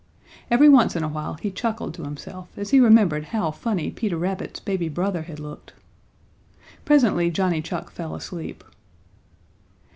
Every once in a while he chuckled to himself as he remembered how funny Peter Rabbit's baby brother had looked. Presently Johnny Chuck fell asleep.